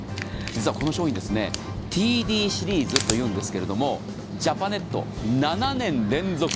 実はこの商品ＴＤシリーズというんですがジャパネット７年連続